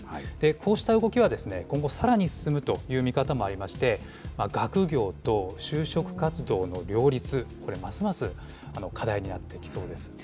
こうした動きは、今後さらに進むという見方もありまして、学業と就職活動の両立、これますます課題になってきそうです。